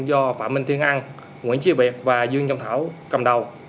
do phạm minh thiên ân nguyễn trí việt và dương trung thảo cầm đầu